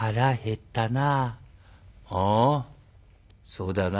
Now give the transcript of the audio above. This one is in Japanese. そうだな。